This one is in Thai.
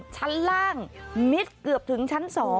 ชั้นล่างมิดเกือบถึงชั้น๒